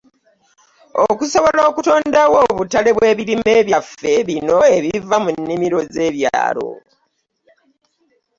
Okusobola okutondawo obutalebw’ebirime byaffe bino ebive mu nnimiro z’ebyalo.